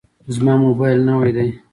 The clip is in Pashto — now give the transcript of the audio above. زما موبایل نوی دی.